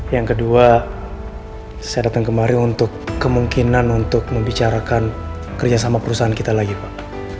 yang kedua saya datang kemari untuk kemungkinan untuk membicarakan kerjasama perusahaan kita lagi pak